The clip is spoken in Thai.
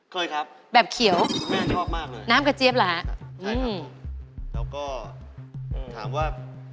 เคยครับแบบเขียวน้ำกระเจ๊บละแล้วก็ถามว่า